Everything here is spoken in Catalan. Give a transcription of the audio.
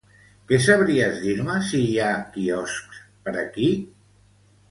Que sabries dir-me si hi ha quioscs per aquí?